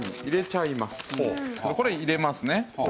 これ入れますね。